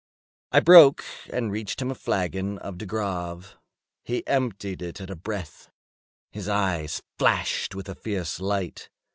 I broke and reached him a flagon of De Grave. He emptied it at a breath. His eyes flashed with a fierce light.